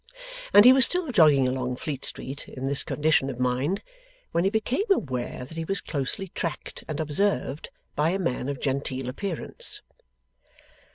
And he was still jogging along Fleet Street in this condition of mind, when he became aware that he was closely tracked and observed by a man of genteel appearance.